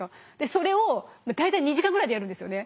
それを大体２時間ぐらいでやるんですよね。